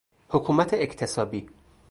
حکومت اکتسابی